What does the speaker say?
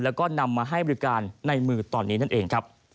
แล้วก็นำมาให้บริการในมือตอนนี้นั่นเองครับ